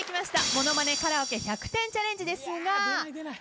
「ものまねカラオケ１００点チャレンジ出ない出ない。